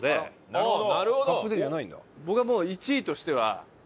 なるほど！